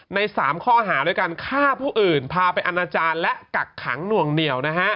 ใน๓ข้อหาด้วยการฆ่าผู้อื่นพาไปอนาจารย์และกักขังหน่วงเหนียวนะฮะ